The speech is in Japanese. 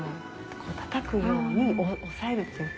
こうたたくように押さえるっていうか。